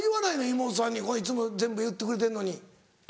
妹さんにいつも全部言ってくれてんのに。